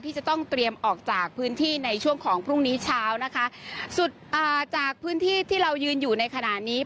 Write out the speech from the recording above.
จะต้องเตรียมออกจากพื้นที่ในช่วงของพรุ่งนี้เช้านะคะสุดอ่าจากพื้นที่ที่เรายืนอยู่ในขณะนี้